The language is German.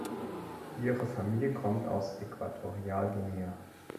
Ihre Familie kommt aus Äquatorialguinea.